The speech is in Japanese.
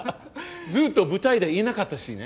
ずっと舞台でいなかったしね。